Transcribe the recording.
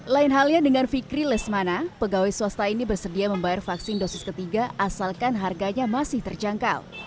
lain halnya dengan fikri lesmana pegawai swasta ini bersedia membayar vaksin dosis ketiga asalkan harganya masih terjangkau